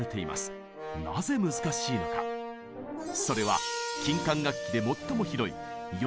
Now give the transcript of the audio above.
それは金管楽器で最も広い４